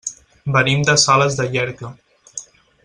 Venim de Sales de Llierca.